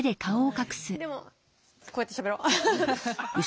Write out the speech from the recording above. でもこうやってしゃべろう。